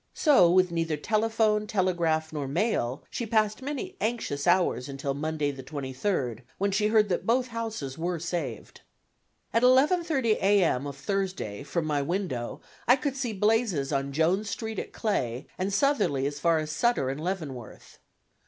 So, with neither telephone, telegraph, nor mail, she passed many anxious hours until Monday, the 23rd, when she heard that both houses were saved. At 11:30 A. M. of Thursday from my window I could see blazes on Jones Street at Clay, and southerly as far as Sutter and Leavenworth.